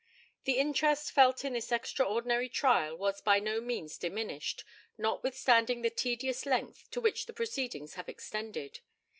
The interest felt in this extraordinary trial was by no means diminished, notwithstanding the tedious length, to which the proceedings have extended.